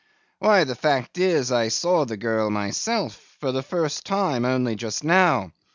'Why, the fact is, I saw the girl myself, for the first time, only just now.